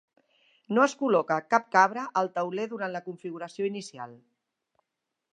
No es col·loca cap cabra al tauler durant la configuració inicial.